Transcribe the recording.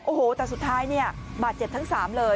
โอ้โหแต่สุดท้ายเนี่ยบาดเจ็บทั้ง๓เลย